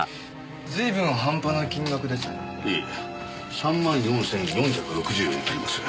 ３４４６０円あります。